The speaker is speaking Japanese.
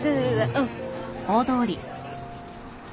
うん。